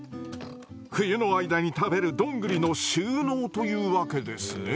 冬の間に食べるドングリの収納というわけですね。